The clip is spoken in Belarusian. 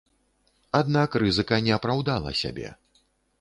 Аднак рызыка не апраўдала сябе.